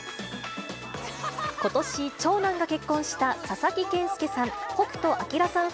ことし、長男が結婚した佐々木健介さん、北斗晶さん